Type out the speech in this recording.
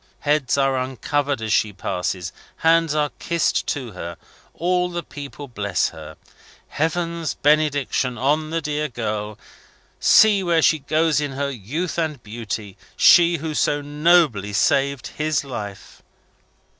Heads are uncovered as she passes, hands are kissed to her, all the people bless her. "Heaven's benediction on the dear girl! See where she goes in her youth and beauty; she who so nobly saved his life!"